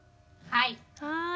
はい。